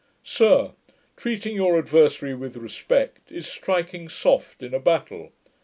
Sir, treating your adversary with respect, is striking soft in a battle.